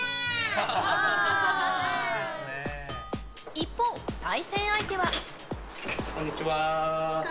一方、対戦相手は。